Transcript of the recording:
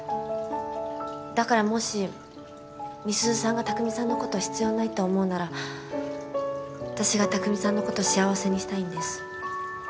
だからもし美鈴さんが拓海さんのこと必要ないって思うなら私が拓海さんのこと幸せにしたいんです。